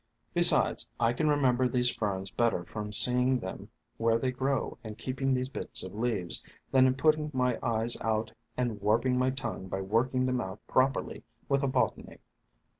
Besides, I can remember these Ferns better from seeing them where they grow and keeping these bits of leaves, than in putting my eyes out and warping my tongue by working them out prop erly with a botany.